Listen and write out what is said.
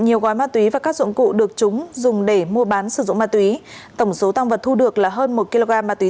nhiều gói ma túy và các dụng cụ được chúng dùng để mua bán sử dụng ma túy tổng số tăng vật thu được là hơn một kg ma túy